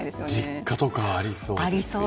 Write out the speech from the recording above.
実家とか、ありそうですね。